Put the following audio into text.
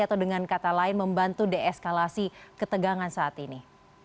atau dengan kata lain membantu deeskalasi ketegangan saat ini